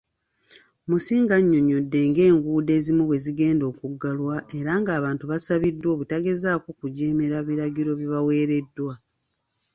Musinga annyonnyodde ng'enguudo ezimu bwe zigenda okuggalwa era ng'abantu basabiddwa obutagezaako kujeemera biragiro bibaweereddwa.